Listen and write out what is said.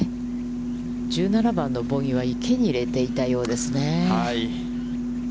１７番のボギーは池に入れていたようですね。